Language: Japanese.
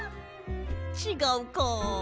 ちがうか。